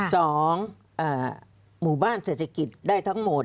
สองหมู่บ้านเศรษฐกิจได้ทั้งหมด